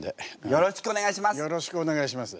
よろしくお願いします。